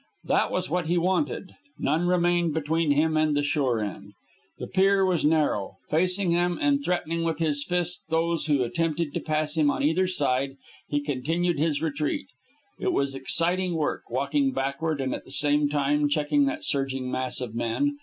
This was what he wanted. None remained between him and the shore end. The pier was narrow. Facing them and threatening with his fist those who attempted to pass him on either side, he continued his retreat. It was exciting work, walking backward and at the same time checking that surging mass of men.